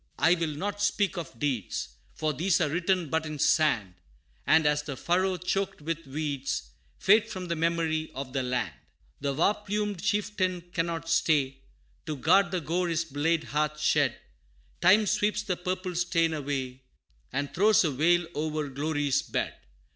I will not speak of deeds, For these are written but in sand And, as the furrow choked with weeds, Fade from the memory of the land. The war plumed chieftain cannot stay, To guard the gore his blade hath shed Time sweeps the purple stain away, And throws a veil o'er glory's bed.